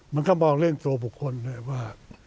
มันก็มองเรื่องตัวบุคคลเลยว่า